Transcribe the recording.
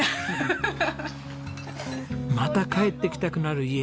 また帰ってきたくなる家。